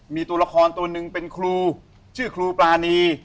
มีตัวละครตัวหนึ่งเป็นครูชื่อครูปรานี